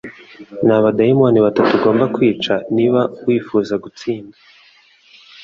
ni abadayimoni batatu ugomba kwica niba wifuza gutsinda